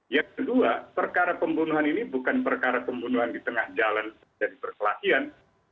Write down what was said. yang kedua perkara pembunuhan ini bukan perkara pembunuhan di tengah jalan jadi perkelahian